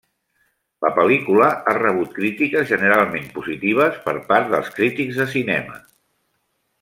La pel·lícula ha rebut crítiques generalment positives per part dels crítics de cinema.